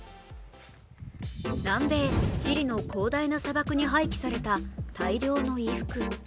南米チリの広大な砂漠に廃棄された大量の衣服。